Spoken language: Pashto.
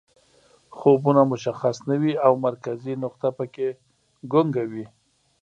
خوبونه مشخص نه وي او مرکزي نقطه پکې ګونګه وي